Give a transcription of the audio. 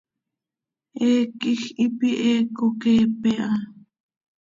Heec quij hipi he coqueepe ha.